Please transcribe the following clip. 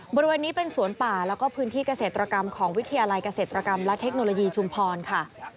บริเวณนี้เป็นสวนป่าแล้วก็พื้นที่เกษตรกรรมของวิทยาลัยเกษตรกรรมและเทคโนโลยีชุมพรค่ะ